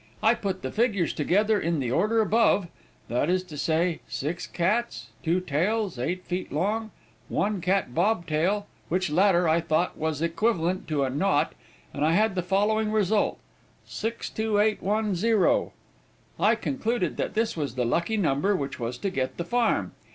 I put the figures together in the order above that is to say, six cats, two tails, eight feet long, one cat bob tail, which latter, I thought, was equivalent to a nought, and I had the following result: 62810. I concluded that this was the lucky number which was to get the farm.